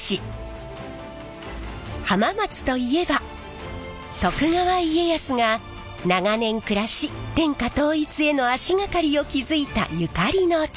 浜松といえば徳川家康が長年暮らし天下統一への足がかりを築いたゆかりの地。